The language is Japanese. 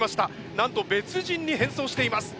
なんと別人に変装しています。